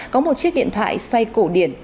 có một chiếc điện thoại xoay cổ điển